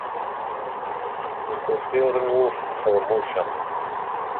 Nekkenti ur nwufeq Feḍmuca.